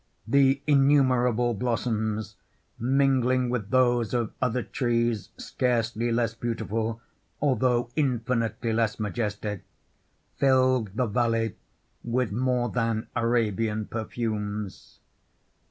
The innumerable blossoms, mingling with those of other trees scarcely less beautiful, although infinitely less majestic, filled the valley with more than Arabian perfumes.